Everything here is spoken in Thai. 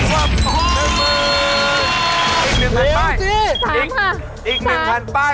อีก๑๐๐๐ป้ายอีก๑๐๐๐ป้ายอีกอีก๑๐๐๐ป้าย